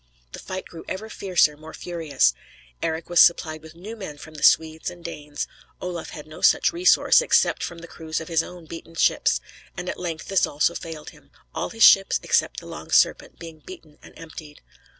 The fight grew ever fiercer, more furious. Eric was supplied with new men from the Swedes and Danes; Olaf had no such resource, except from the crews of his own beaten ships; and at length this also failed him; all his ships, except the Long Serpent, being beaten and emptied.